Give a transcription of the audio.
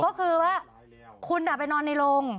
ก็คือว่าคุณไปนอนในโรง